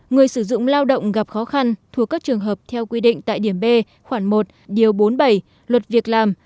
người sử dụng lao động gặp khó khăn thuộc các trường hợp theo quy định tại điểm b khoảng một điều bốn mươi bảy luật việc làm